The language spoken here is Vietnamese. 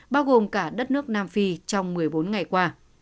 bao gồm cả đất nước nam phi trong một mươi bốn ngày qua